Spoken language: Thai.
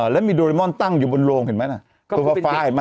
และมีโดเรมอนตั้งอยู่บนโรงเห็นไหม